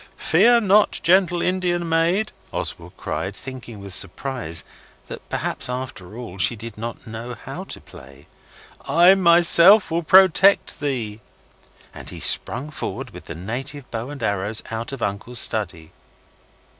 'Fear not, gentle Indian maid,' Oswald cried, thinking with surprise that perhaps after all she did know how to play, 'I myself will protect thee.' And he sprang forward with the native bow and arrows out of uncle's study.